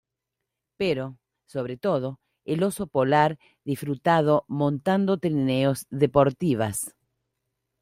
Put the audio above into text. Pero, sobre todo, el oso polar disfrutado montando trineos deportivas.